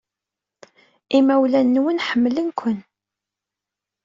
Imawlan-nwen ḥemmlen-ken.